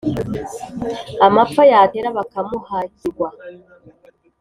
Amapfa yatera bakamuhakirwa.